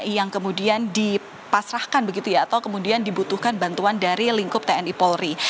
yang kemudian dipasrahkan begitu ya atau kemudian dibutuhkan bantuan dari lingkup tni polri